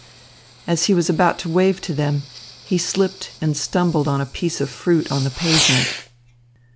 As he was about to wave to them, he slipped and stumbled on a piece of fruit on the pavement.